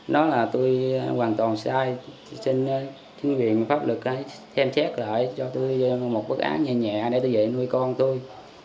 nó là tôi hoàn toàn sai sinh viên pháp lực thêm xét lại cho tôi một bức án nhẹ nhẹ để tôi về nuôi con tôi